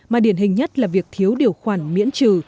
mà điển hình nhất là việc thiếu điều khoản miễn trừ